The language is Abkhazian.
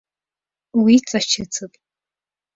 Уиҵашьыцып.